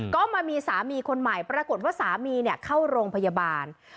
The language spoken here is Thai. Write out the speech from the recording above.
ก็มามีสามีคนใหม่ปรากฏว่าสามีเข้าโรงพยาบาล